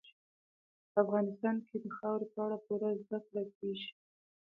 په افغانستان کې د خاورې په اړه پوره زده کړه کېږي.